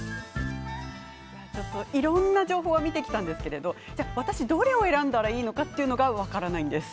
いやちょっといろんな情報を見てきたんですけれどじゃあ私どれを選んだらいいのかというのが分からないんです。